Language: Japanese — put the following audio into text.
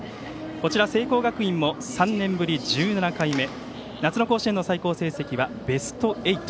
こちら聖光学院も３年ぶり１７回目夏の甲子園の最高成績はベスト８。